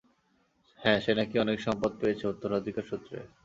হ্যাঁ, সে নাকি অনেক সম্পদ পেয়েছে উত্তরাধিকারসূত্রে।